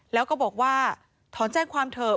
แล้วก็บอกว่าถอนแจ้งความเถอะ